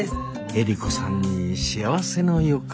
エリコさんに幸せの予感？